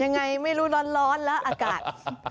ยังไงไม่รู้ร้อนแล้วอากาศ